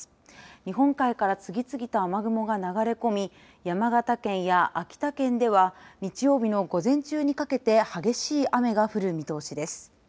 日本海から次々と雨雲が流れ込み山形県や秋田県では日曜日の午前中にかけて激しい雨が降る見通しです。